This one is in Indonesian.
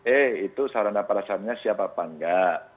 eh itu sarana perasaannya siapa apa nggak